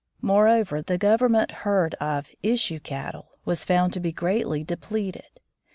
Moreover, the Govern ment herd of "issue cattle" was found to be greatly depleted.